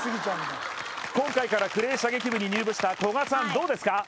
今回からクレー射撃部に入部した古閑さん、どうですか。